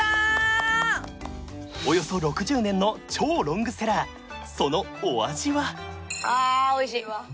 およそ６０年の超ロングセラーそのお味は？